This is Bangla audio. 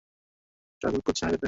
ওরা একটা ট্রাক লুট করেছে হাইওয়েতে।